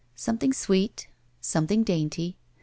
SometWng sweet. Something dainty.